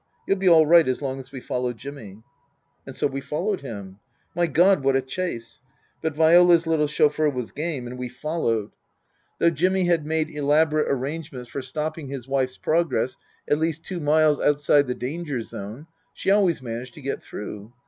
You'll be all right as long as we follow Jimmy." And so we followed him. My God, what a chase ! But Viola's little chauffeur was game and we followed. Book III : His Book 305 Though Jimmy had made elaborate arrangements for stopping his wife's progress at least two miles outside the danger zone she always managed to get through.